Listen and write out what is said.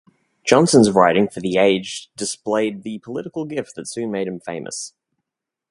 Johnson's writing for the "Age" displayed the political gift that soon made him famous.